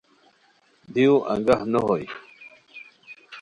دیو انگاہ نو ہوئے